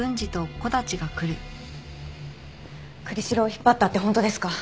栗城を引っ張ったって本当ですか？